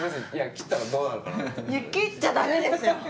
切っちゃダメですよ！